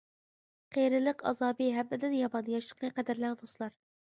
قېرىلىق ئازابى ھەممىدىن يامان ياشلىقنى قەدىرلەڭ دوستلار.